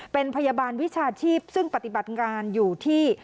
เป็นพยาบาลวิชาชีพซึ่งปฏิบัติงานอยู่ที่